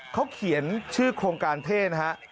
เขาเขียนชื่อโครงการเท่นะฮะ